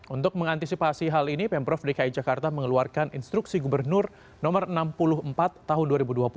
untuk mengantisipasi hal ini pemprov dki jakarta mengeluarkan instruksi gubernur no enam puluh empat tahun dua ribu dua puluh